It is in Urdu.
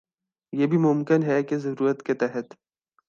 یہ بھی ممکن ہے کہہ ضرورت کے تحت